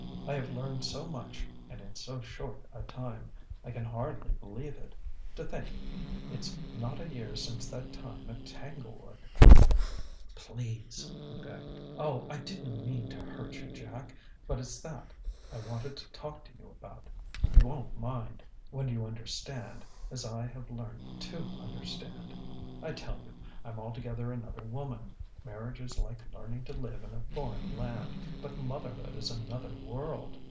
I have learned so much and in so short a time I can hardly believe it. To think, it's not a year since that time at Tanglewood !" "Please!" he begged. "Oh, I didn't mean to hurt you, Jack. But it's that I wanted to talk to you about. You won't mind, when you understand, as I have learned to understand.... I tell you, I'm altogether another woman. Marriage is like learning to live in a foreign land, but motherhood is another world.